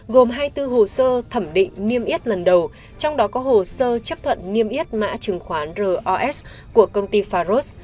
gồm hai mươi bốn hồ sơ thẩm định niêm yết lần đầu trong đó có hồ sơ chấp thuận niêm yết mã chứng khoán ros của công ty faros